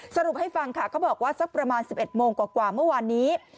สรุปให้ฟังค่ะเขาบอกว่าสักประมาณ๑๑โมงกว่าเมื่อวานนี้